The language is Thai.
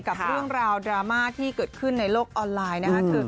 กับเรื่องราวดราม่าที่เกิดขึ้นในโลกออนไลน์นะครับ